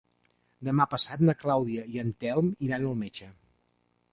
Demà passat na Clàudia i en Telm iran al metge.